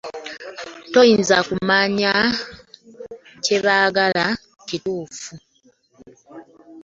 Toyinza kumanya kye baagala kituufu.